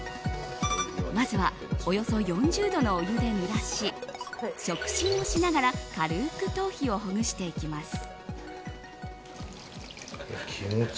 まずはおよそ４０度のお湯で濡らし触診をしながら軽く頭皮をほぐしていきます。